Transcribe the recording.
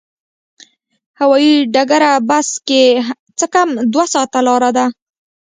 هوایي ډګره بس کې څه کم دوه ساعته لاره ده.